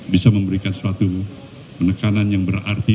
bisa memberikan suatu penekanan yang berarti